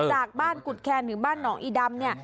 จากบ้านกุฎแคนถึงบ้านหนองอีดำเนี่ย